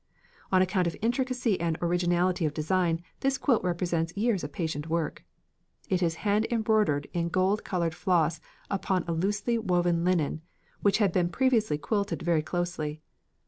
On account of intricacy and originality of design this quilt represents years of patient work. It is hand embroidered in golden coloured floss upon a loosely woven linen which had been previously quilted very closely.